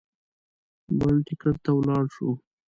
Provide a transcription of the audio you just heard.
بل ټکټ ته ولاړ شو.